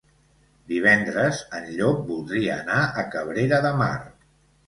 Divendres en Llop voldria anar a Cabrera de Mar.